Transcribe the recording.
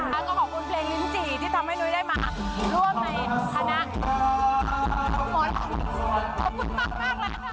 แล้วก็ขอบคุณเพลงลิ้นจี่ที่ทำให้นุ้ยได้มาร่วมในคณะ